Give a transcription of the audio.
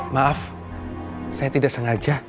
maaf saya tidak sengaja